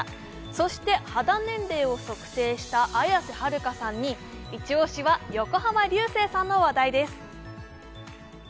そして肌年齢を測定した綾瀬はるかさんに、イチ押しは横浜流星さんの話題です。